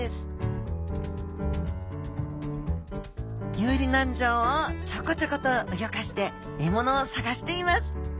遊離軟条をちょこちょことうギョかして獲物を探しています。